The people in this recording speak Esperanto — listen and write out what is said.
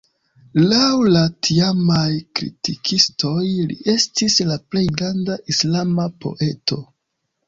Laŭ la tiamaj kritikistoj li estis la plej granda islama poeto.